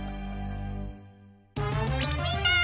みんな！